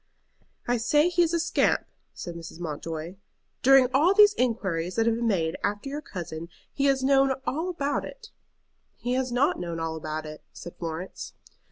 "I say he is a scamp," said Mrs. Mountjoy. "During all these inquiries that have been made after your cousin he has known all about it." "He has not known all about it," said Florence.